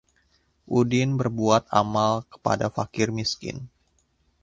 Udin berbuat amal kepada fakir miskin;